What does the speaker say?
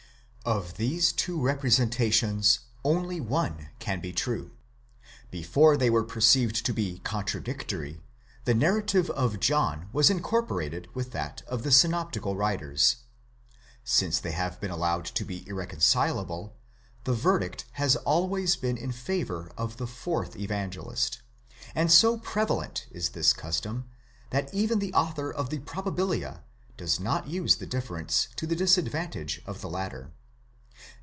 © Of these two representations one only can be true. Before they were per ceived to be contradictory, the narrative of John was incorporated with that of the synoptical writers ; since they have been allowed to be irreconcilable, the verdict has always been in favour of the fourth Evangelist ; and so pre valent is this custom, that even the author of the Probabilia does not use the difference to the disadvantage of the latter.